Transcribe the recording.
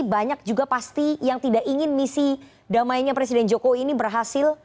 banyak juga pasti yang tidak ingin misi damainya presiden jokowi ini berhasil